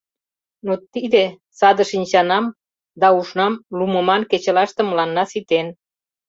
Но тиде саде шинчанам да ушнам лумыман кечылаште мыланна ситен.